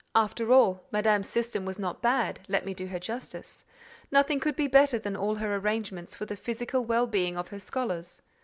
After all, Madame's system was not bad—let me do her justice. Nothing could be better than all her arrangements for the physical well being of her scholars.